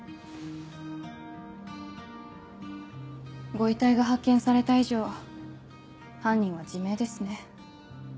ご遺体が発見された以上犯人は自明ですね。